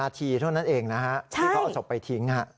๑๔นาทีเท่านั้นเองนะที่เขาสับไปทิ้ง